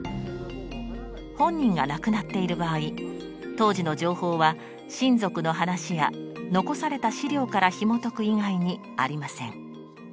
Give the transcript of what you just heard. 本人が亡くなっている場合当時の情報は親族の話や残された資料からひもとく以外にありません。